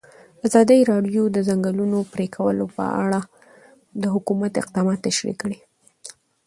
ازادي راډیو د د ځنګلونو پرېکول په اړه د حکومت اقدامات تشریح کړي.